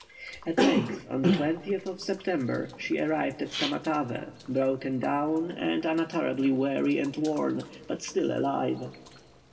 At length, on the 12th of September, she arrived at Tamatavé; broken down, and unutterably weary and worn, but still alive.